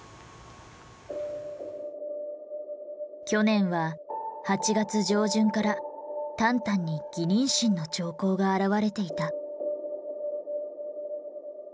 去年は８月上旬からタンタンに偽妊娠の兆候が現れていた。